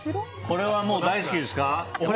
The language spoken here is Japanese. これは大好きですか？